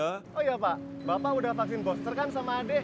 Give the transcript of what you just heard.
oh iya pak bapak udah vaksin booster kan sama adik